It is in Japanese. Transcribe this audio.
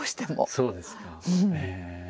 そうですか。